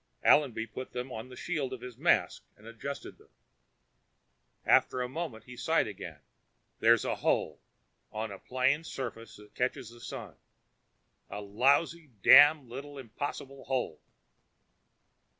Allenby put them to the shield of his mask and adjusted them. After a moment he sighed again. "There's a hole. On a plane surface that catches the Sun. A lousy damned round little impossible hole."